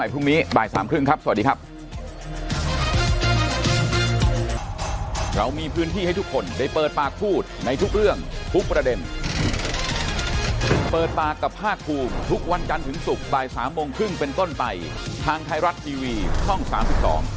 พบกันใหม่พรุ่งนี้บ่ายสามครึ่งครับสวัสดีครับ